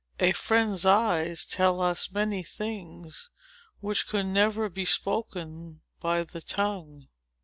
A friend's eyes tell us many things, which could never be spoken by the tongue.